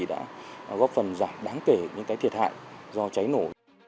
đã góp phần giảm đáng kể những thiệt hại do cháy nổ